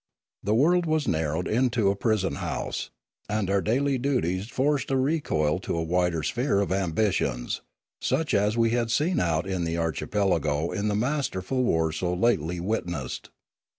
The world narrowed into a prison house, and our daily duties forced a recoil to a wider sphere of ambitions, such as we had seen out in the archipelago in the masterful wars so lately witnessed.